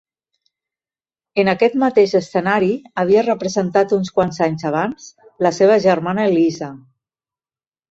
En aquest mateix escenari, havia representat uns quants anys abans la seva germana Elisa.